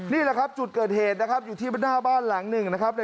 นี่จุดเกิดเหตุอยู่ที่หน้าหัก